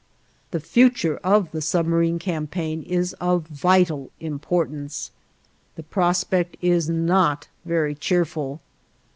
The future of the submarine campaign is of vital importance. The prospect is not very cheerful.